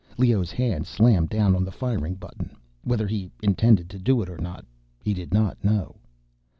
Leoh's hand slammed down on the firing button, whether he intended to do it or not, he did not know.